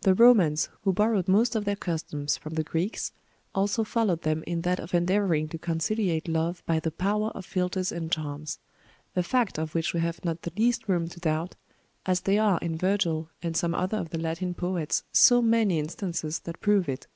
The Romans, who borrowed most of their customs from the Greeks, also followed them in that of endeavoring to conciliate love by the power of philtres and charms; a fact of which we have not the least room to doubt, as they are in Virgil and some other of the Latin poets so many instances that prove it.